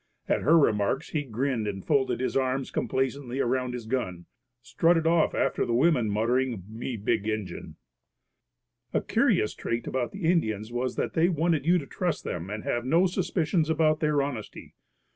At her remarks he grinned and folding his arms complacently around his gun, strutted off after the women muttering, "Me big Injun." A curious trait about the Indians was that they wanted you to trust them and have no suspicions about their honesty.